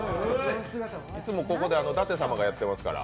いつも、ここで舘様がやってますから。